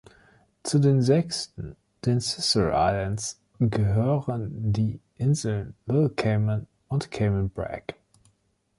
Zu den sechsten, den Sister Islands, gehören die Inseln Little Cayman und Cayman Brac.